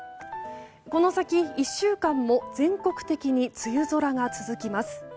この先１週間も全国的に梅雨空が続きます。